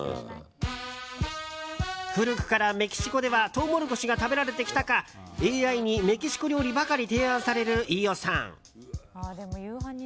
古くからメキシコではトウモロコシが食べられてきたからかＡＩにメキシコ料理ばかり提案される飯尾さん。